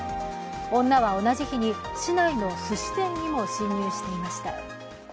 女は同じ日に市内のすし店にも侵入していました。